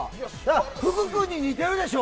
福君に似てるでしょ？